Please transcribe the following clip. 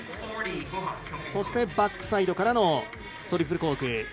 そしてバックサイドからのトリプルコーク。